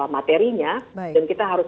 materinya dan kita harus